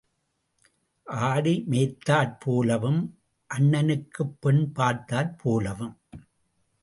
ஆடு மேய்த்தாற் போலவும் அண்ணனுக்குப் பெண் பார்த்தாற் போலவும்.